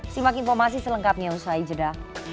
simak informasi selengkapnya usai jeda